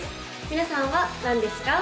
皆さんは何ですか？